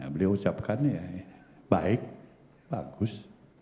beliau ucapkan baik bagus